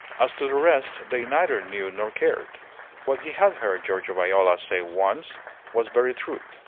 As to the rest, they neither knew nor cared. What he had heard Giorgio Viola say once was very true.